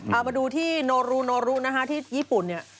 เอามาดูที่โนรูโนรุนะคะที่ญี่ปุ่นเนี่ย